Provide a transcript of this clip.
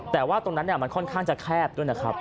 แต่ว่าตรงนั้นมันค่อนข้างจะแคบด้วยนะครับ